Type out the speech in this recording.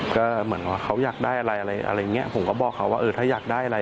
ก็เหมือนว่าเขาอยากได้อะไรอะไรอย่างเงี้ยผมก็บอกเขาว่าเออถ้าอยากได้อะไร